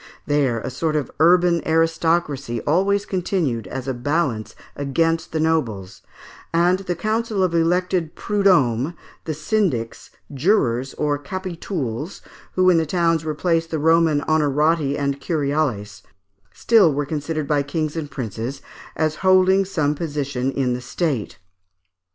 There, a sort of urban aristocracy always continued, as a balance against the nobles, and the counsel of elected prud'hommes, the syndics, jurors or capitouls, who in the towns replaced the Roman honorati and curiales, still were considered by kings and princes as holding some position in the state.